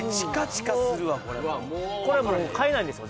これこれもう買えないんですよ